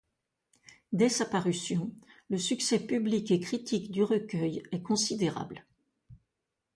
Dès sa parution, le succès public et critique du recueil est considérable.